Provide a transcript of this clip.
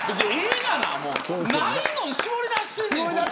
ないのに絞り出してんねん。